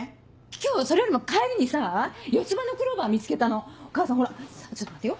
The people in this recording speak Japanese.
今日それよりも帰りにさぁ四つ葉のクローバー見つけたの母さんほらちょっと待ってよ。